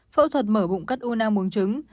phẫu thuật mở bụng cắt u năng bùng trứng